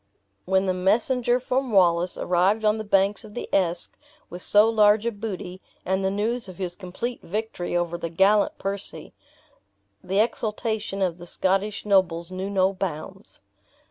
When the messenger from Wallace arrived on the banks of the Esk with so large a booty, and the news of his complete victory over the gallant Percy, the exultation of the Scottish nobles knew no bounds.